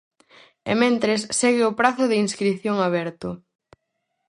E mentres, segue o prazo de inscrición aberto.